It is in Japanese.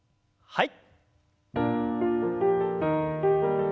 はい。